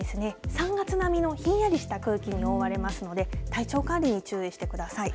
３月並みのひんやりとした空気に覆われますので体調管理に注意してください。